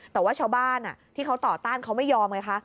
แต่ว่าชาวบ้านที่เขาต่อต้านเขาไม่ยอมไงคะ